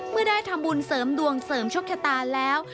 เมื่อได้ทำบุญเสริมดวงเสริมโชคชะตาแล้ว